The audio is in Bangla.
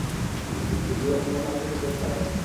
গিয়ে অন্য কারো সাথে চেষ্টা কর।